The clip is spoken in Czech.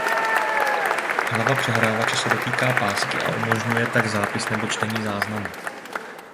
Hlava přehrávače se dotýká pásky a umožňuje tak zápis nebo čtení záznamu.